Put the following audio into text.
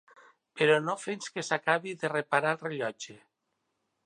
Però no fins que s'acabi de reparar el rellotge.